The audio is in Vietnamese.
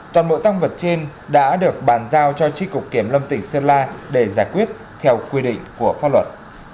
toàn bộ tăng vật trên đã được bàn giao cho tri cục kiểm lâm tỉnh sơn la để giải quyết theo quy định của pháp luật